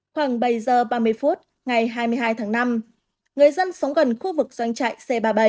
khoảng bảy h ba mươi phút ngày hai mươi hai tháng năm người dân sống gần khu vực doanh trại c ba mươi bảy